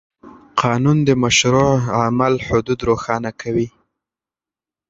قانون د مشروع عمل حدود روښانه کوي.